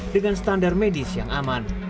dengan standar medis yang aman